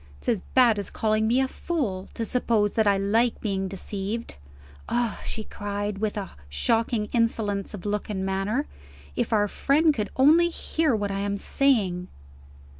It's as bad as calling me a fool, to suppose that I like being deceived. Ah," she cried, with a shocking insolence of look and manner, "if our friend could only hear what I am saying!"